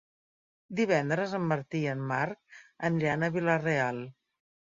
Divendres en Martí i en Marc aniran a Vila-real.